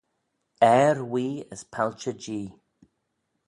Airh wuigh as palchey j'ee